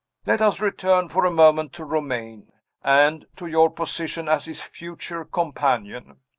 Let us return for a moment to Romayne, and to your position as his future companion.